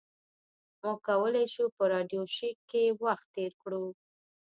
موږ کولی شو په راډیو شیک کې وخت تیر کړو